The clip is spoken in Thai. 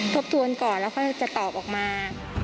ทบทวนก่อนแล้วค่อยจะตอบออกมา